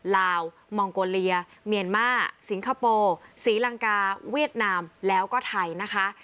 ลาวมองโกเลียเมียนมาสิงคโปร์ศรีลังกาเวียดนามแล้วก็ไทยนะคะ